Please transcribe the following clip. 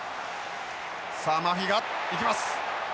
さあマフィが行きます。